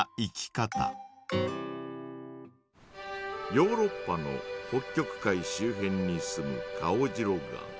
ヨーロッパの北極海周辺に住むカオジロガン。